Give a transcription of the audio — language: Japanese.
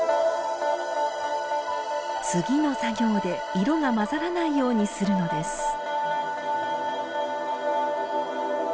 次の作業で色が混ざらないようにするのです